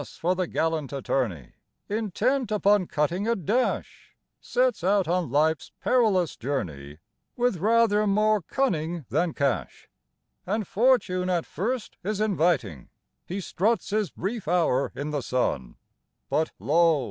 for the gallant attorney, Intent upon cutting a dash, Sets out on life's perilous journey With rather more cunning than cash. And fortune at first is inviting He struts his brief hour in the sun But, lo!